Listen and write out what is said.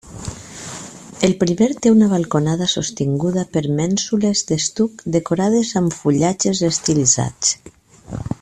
El primer té una balconada sostinguda per mènsules d'estuc decorades amb fullatges estilitzats.